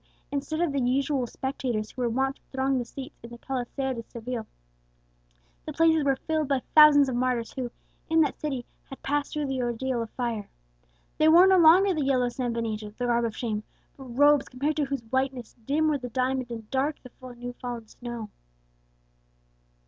instead of the usual spectators who were wont to throng the seats in the Coliseo of Seville, the places were filled by thousands of martyrs who, in that city, had passed through the ordeal of fire. They wore no longer the yellow san benito, the garb of shame, but robes compared to whose whiteness dim were the diamond and dark the new fallen snow.